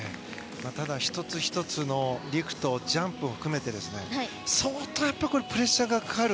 ただ、１つ１つのリフト、ジャンプを含めて相当、プレッシャーがかかる。